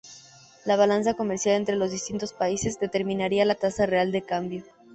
La balanza comercial entre los distintos países determinaría la tasa real de cambio.